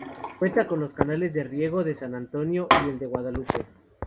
Cuenta con los canales de riego de San Antonio y el de Guadalupe.